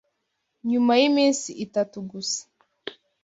Nyuma yiminsi itatu gusa